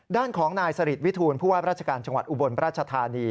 ด้านของนายสริตวิทูลผู้ว่าราชการจังหวัดอุบลราชธานี